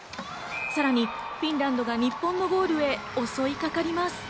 さらにフィンランドが日本のゴールに襲いかかります。